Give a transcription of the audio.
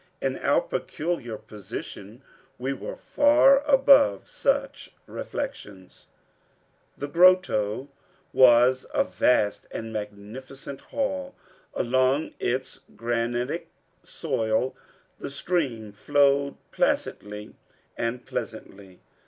In our peculiar position we were far above such reflections. The grotto was a vast and magnificent hall. Along its granitic soil the stream flowed placidly and pleasantly.